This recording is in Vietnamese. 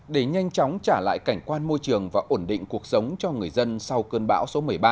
để nhanh chóng trả lại cảnh quan môi trường và ổn định cuộc sống cho người dân sau cơn bão số một mươi ba